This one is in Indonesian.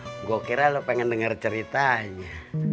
hehehe gua kira lu pengen denger ceritanya